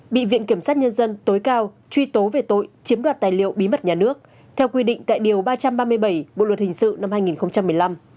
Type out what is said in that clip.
bị viện kiểm sát nhân dân tối cao truy tố về tội chiếm đoạt tài liệu bí mật nhà nước theo quy định tại điều ba trăm ba mươi bảy bộ luật hình sự năm hai nghìn một mươi năm